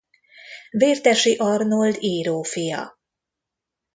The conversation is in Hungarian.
Vértesi Arnold író fia.